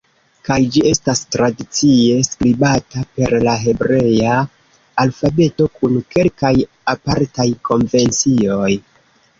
Kaj ĝi estas tradicie skribata per la hebrea alfabeto, kun kelkaj apartaj konvencioj.